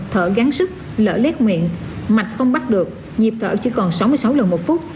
thở gắn sức lở lét miệng mạch không bắt được nhịp thở chỉ còn sáu mươi sáu lần một phút